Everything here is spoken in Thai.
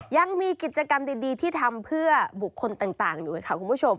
ยังมีกิจกรรมดีที่ทำเพื่อบุคคลต่างอยู่ค่ะคุณผู้ชม